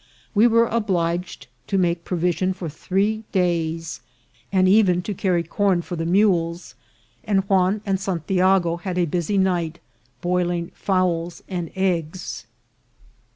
We were obliged to make provision for three days, and even to carry corn for the mules ; and Juan and San tiago had a busy night, boiling fowls and eggs.